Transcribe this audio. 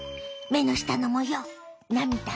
目の下の模様涙